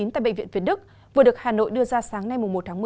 tại bệnh viện việt đức vừa được hà nội đưa ra sáng nay một tháng một mươi